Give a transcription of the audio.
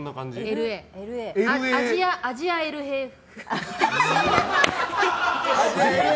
アジアＬＡ風。